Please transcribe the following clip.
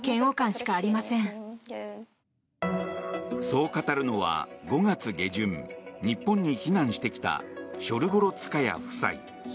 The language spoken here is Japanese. そう語るのは５月下旬、日本に避難してきたショルゴロツカヤ夫妻。